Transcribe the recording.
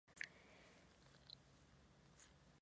De entre ellas destaca el Salón de Embajadores.